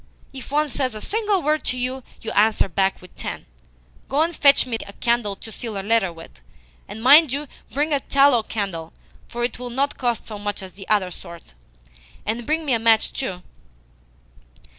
If one says a single word to you, you answer back with ten. Go and fetch me a candle to seal a letter with. And mind you bring a TALLOW candle, for it will not cost so much as the other sort. And bring me a match too."